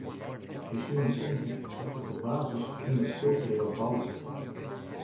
Jo soene tinke, it is de basis ûnder it kulturele bouwurk.